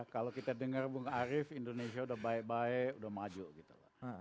kalau kita dengar bung arief indonesia udah baik baik udah maju gitu